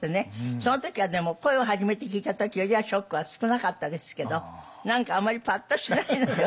その時はでも声を初めて聞いた時よりはショックは少なかったですけど何かあまりパッとしないのよ。